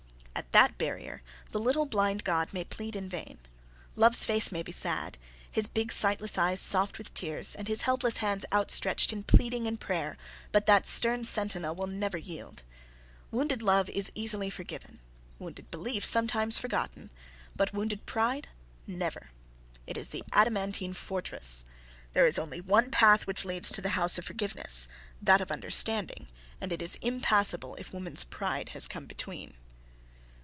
At that barrier, the little blind god may plead in vain. Love's face may be sad, his big, sightless eyes soft with tears, and his helpless hands outstretched in pleading and prayer, but that stern sentinel will never yield. Wounded love is easily forgiven, wounded belief sometimes forgotten, but wounded pride never. It is the adamantine fortress. There is only one path which leads to the house of forgiveness that of understanding, and it is impassable if woman's pride has come between.